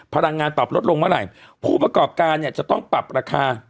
พลังงานปรับลดลงเมื่อไหร่ผู้ประกอบการเนี่ยจะต้องปรับราคา